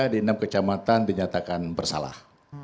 di enam kecamatan dinyatakan bersalah